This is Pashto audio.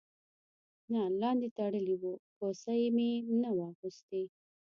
نه لاندې تړلی و، کوسۍ مې نه وه اغوستې.